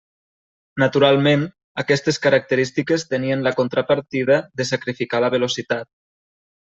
Naturalment, aquestes característiques tenien la contrapartida de sacrificar la velocitat.